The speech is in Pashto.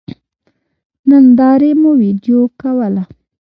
نندارې مو وېډيو کوله.